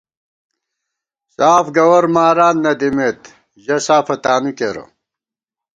ساف گوَر ماران نہ دِمېت ژہ سافہ تانُو کېرہ